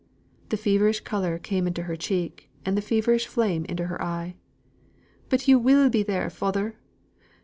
The feverish colour came into her cheek, and the feverish flame into her eye. "But you will be there, father!